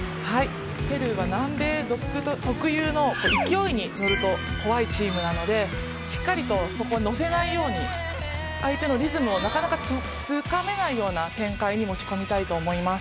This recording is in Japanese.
ペルーは南米独特の特有の勢いに乗ると怖いチームなのでしっかりとそこに乗せないように相手のリズムをなかなかつかめないような展開に持ち込みたいと思います。